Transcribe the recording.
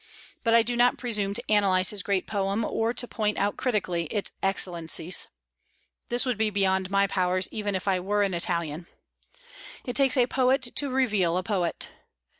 But I do not presume to analyze his great poem, or to point out critically its excellencies. This would be beyond my powers, even if I were an Italian. It takes a poet to reveal a poet.